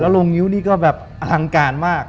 โรงนิ้วนี่ก็แบบอลังการมาก